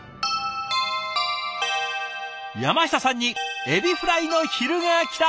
山下さんにエビフライの昼がきた！